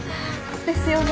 ですよね。